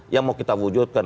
yang mau kita wujudkan